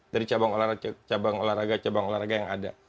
dari cabang olahraga cabang olahraga yang ada